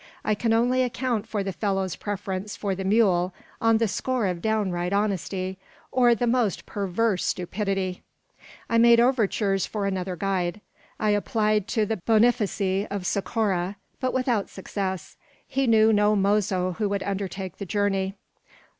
I can only account for the fellow's preference for the mule on the score of downright honesty, or the most perverse stupidity. I made overtures for another guide. I applied to the Boniface of Socorro, but without success. He knew no mozo who would undertake the journey.